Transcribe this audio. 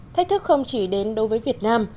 thách thức không chỉ đến đối với việt nam